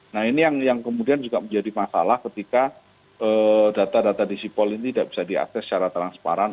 nah ini yang kemudian juga menjadi masalah ketika data data di sipol ini tidak bisa diakses secara transparan